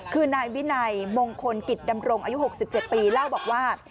คือนายวินัยมงคลกิจดำรงอายุ๖๗ปีเล่าบอกว่า